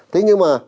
thế nhưng mà